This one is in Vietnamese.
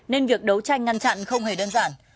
nên việc đấu tranh ngăn chặn không hề đơn giản